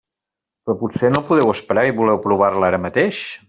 Però potser no podeu esperar i voleu provar-la ara mateix.